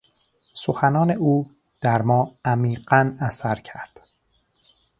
سخنان او در ما عمیقا اثر کرد.